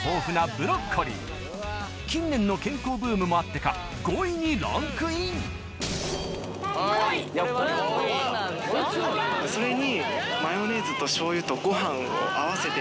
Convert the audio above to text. ブロッコリー近年の健康ブームもあってか５位にランクインそれに。